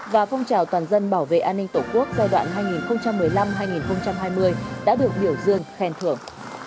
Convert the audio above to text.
và phong trào toàn dân bảo vệ an ninh tổ quốc giai đoạn hai nghìn một mươi năm hai nghìn hai mươi đã được biểu dương khen thưởng